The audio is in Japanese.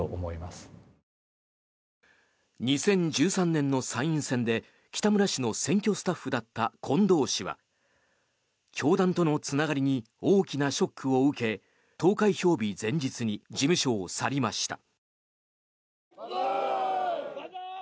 ２０１３年の参院選で北村氏の選挙スタッフだった近藤氏は教団とのつながりに大きなショックを受け投開票日前日に事務所を去りました。